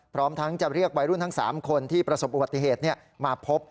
พร้อมทั้งจะเรียกวัยรุ่นทั้ง๓คนที่ประสบอุบัติเหตุมาพบ